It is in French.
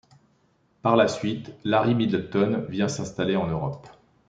Par la suite, Larry Middleton vient s'installer en Europe.